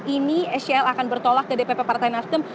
ini scl akan bertolak ke dpp partai nasdam